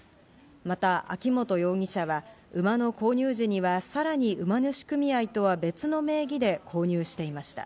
また秋本容疑者は、馬の購入時にはさらに馬主組合とは別の名義で購入していました。